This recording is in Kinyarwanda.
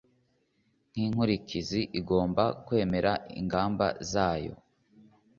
Nk inkurikizi igomba kwemeza ingamba zose